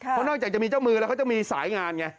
เพราะนอกจากจะมีเจ้ามือแล้วเขาจะมีสายงานไง